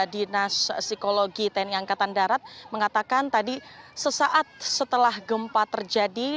dinas psikologi tni angkatan darat mengatakan tadi sesaat setelah gempa terjadi